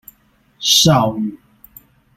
邵語